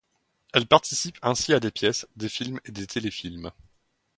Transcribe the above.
Elle participe ainsi à des pièces, des films et des téléfilms.